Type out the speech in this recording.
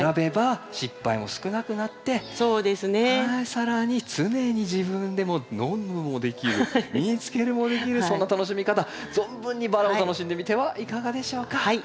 更に常に自分でも飲むのもできる身に着けるもできるそんな楽しみ方存分にバラを楽しんでみてはいかがでしょうか。